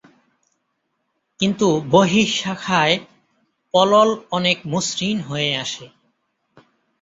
কিন্তু "বহিঃ শাখা"য় পলল অনেক মসৃণ হয়ে আসে।